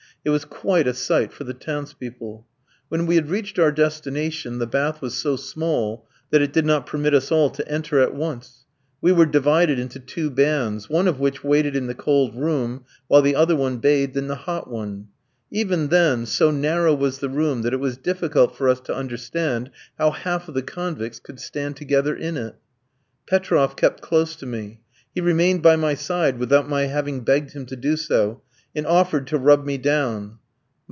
It was quite a sight for the town's people. When we had reached our destination, the bath was so small that it did not permit us all to enter at once. We were divided into two bands, one of which waited in the cold room while the other one bathed in the hot one. Even then, so narrow was the room that it was difficult for us to understand how half of the convicts could stand together in it. Petroff kept close to me. He remained by my side without my having begged him to do so, and offered to rub me down.